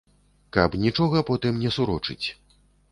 Каб нічога потым не сурочыць.